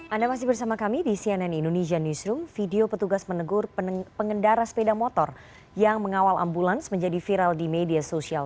anda masih bersama kami di cnn indonesia newsroom video petugas menegur pengendara sepeda motor yang mengawal ambulans menjadi viral di media sosial